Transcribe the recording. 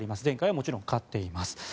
前回はもちろん勝っています。